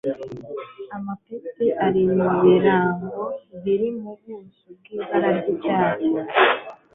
amapeti ari mu birango biri mu buso bw'ibara ry'icyatsi